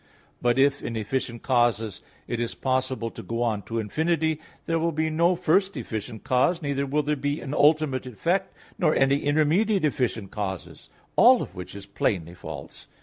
But if in efficient causes it is possible to go on to infinity, there will be no first efficient cause, neither will there be an ultimate effect, nor any intermediate efficient causes; all of which is plainly false.